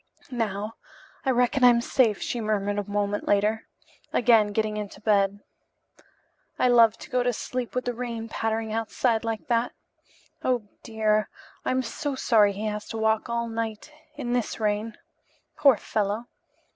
"Now, I reckon I'm safe," she murmured a moment later, again getting into bed. "I love to go to sleep with the rain pattering outside like that. Oh, dear, I'm so sorry he has to walk all night In this rain. Poor fellow!